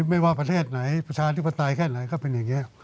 ไม่ว่าประเทศไหนประชาธิปไตยแค่ไหนก็เป็นอย่างนี้